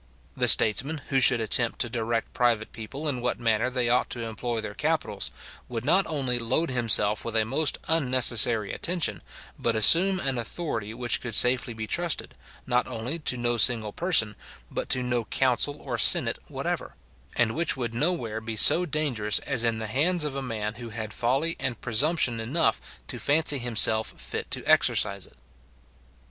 The statesman, who should attempt to direct private people in what manner they ought to employ their capitals, would not only load himself with a most unnecessary attention, but assume an authority which could safely be trusted, not only to no single person, but to no council or senate whatever, and which would nowhere be so dangerous as in the hands of a man who had folly and presumption enough to fancy himself fit to exercise it.